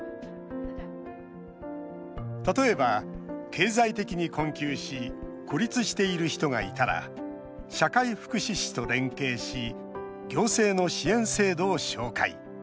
例えば、経済的に困窮し孤立している人がいたら社会福祉士と連携し行政の支援制度を紹介。